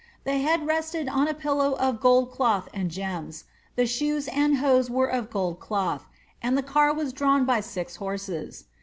The head rested on a pillow of gold cloth and gems, the shoes and hose were of gold cloth, and the car was drawn by six horses.